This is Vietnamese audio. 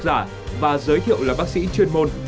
giả và giới thiệu là bác sĩ chuyên môn